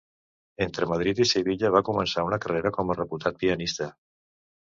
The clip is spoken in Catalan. Entre Madrid i Sevilla va començar una carrera com a reputat pianista.